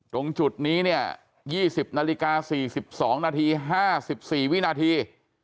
ตรงจุดนี้เนี่ยยี่สิบนาฬิกาสี่สิบสองนาทีห้าสิบสี่วินาที